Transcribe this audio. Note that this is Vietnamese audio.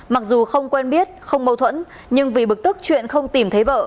mặc dù không quen biết không mâu thuẫn nhưng vì bực tức chuyện không tìm thấy vợ